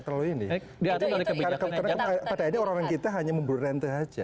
karena pada akhirnya orang kita hanya membeli rente aja